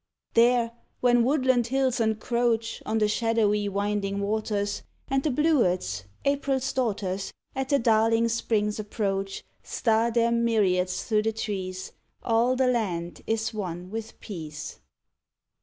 There, when woodland hills encroach On the shadowy winding waters, And the bluets, April's daughters, At the darling Spring's approach, Star their myriads through the trees, All the land is one with peace.